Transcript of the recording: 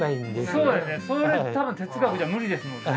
それ多分哲学じゃ無理ですもんね。